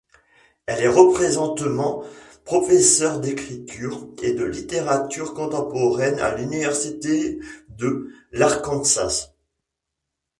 Elle est présentement professeur d'écriture et de littérature contemporaine à l'Université de l'Arkansas.